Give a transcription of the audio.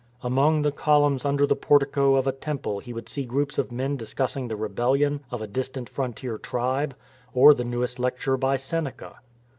Among* the columns under the portico of a temple he would see groups of men discussing the rebellion of a distant frontier tribe, or the newest lecture by Seneca.